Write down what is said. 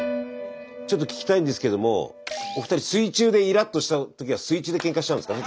ちょっと聞きたいんですけどもお二人水中でイラッとした時は水中でケンカしちゃうんですか？